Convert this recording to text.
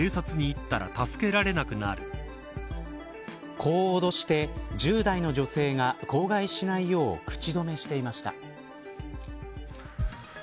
こう脅して１０代の女性が口外しないよう口止めしていました。